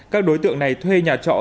các đối tượng này thuê nhà trọ